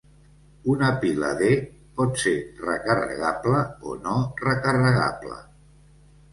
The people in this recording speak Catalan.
Una pila D pot ser recarregable o no recarregable.